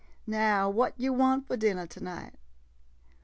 ... Now what yo' want fo' dinner to night?